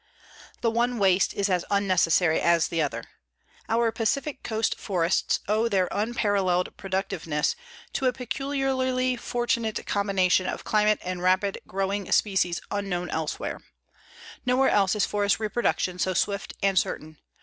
The one waste is as unnecessary as the other. Our Pacific coast forests owe their unparalleled productiveness to a peculiarly fortunate combination of climate and rapid growing species unknown elsewhere. Nowhere else is forest reproduction so swift and certain.